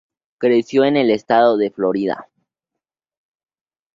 Creció en el estado de Florida.